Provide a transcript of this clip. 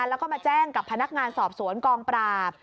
แล้วก็มาแจ้งกับพนักงานสอบสวนกองปราบ